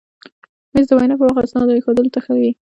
مېز د وینا پر وخت اسنادو ایښودلو ته ښه وي.